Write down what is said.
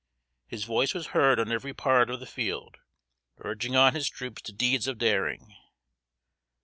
His voice was heard on every part of the field, urging on his troops to deeds of daring.